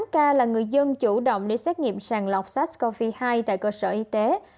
một ca là người dân chủ động để xét nghiệm sàng lọc sars cov hai tại cơ sở y tế